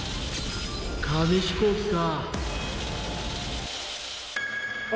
紙飛行機か